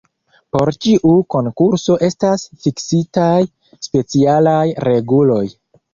Por ĉiu konkurso estas fiksitaj specialaj reguloj.